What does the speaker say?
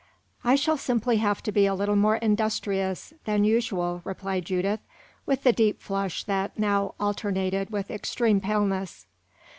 "I shall simply have to be a little more industrious than usual," replied Judith, with the deep flush that now alternated with extreme paleness.